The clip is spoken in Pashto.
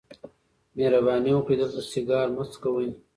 مهرباني وکړئ دلته سیګار مه څکوئ.